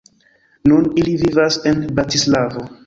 Nun ili vivas en Bratislavo.